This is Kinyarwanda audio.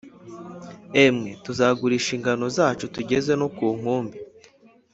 emwe tuzagurisha ingano zacu, tugeze no ku nkumbi!»